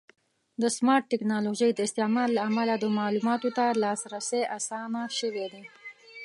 د سمارټ ټکنالوژۍ د استعمال له امله د معلوماتو ته لاسرسی اسانه شوی دی.